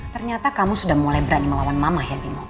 ternyata kamu sudah mulai berani melawan mamah ya bimo